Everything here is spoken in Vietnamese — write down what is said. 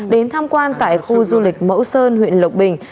đến tham quan tại khu du lịch mẫu sơn huyện lộc bình